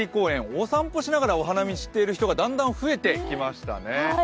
お散歩しながらお花見している人がだんだん増えてきましたね。